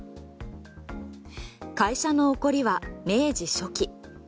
会社の興りは明治初期。